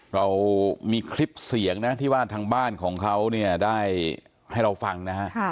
เรามีคลิปเสียงนะที่ว่าทางบ้านของเขาเนี่ยได้ให้เราฟังนะฮะ